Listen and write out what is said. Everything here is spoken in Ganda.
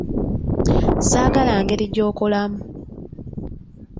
Saagala ngeri gy'okolamu.